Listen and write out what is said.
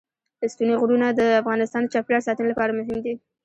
ستوني غرونه د افغانستان د چاپیریال ساتنې لپاره مهم دي.